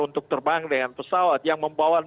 untuk terbang dengan pesawat yang membawa